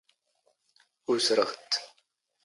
ⵓⵙⵔⵖ ⵜⵜ.